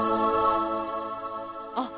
あっ！